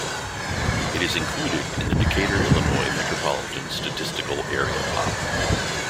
It is included in the Decatur, Illinois Metropolitan Statistical Area pop.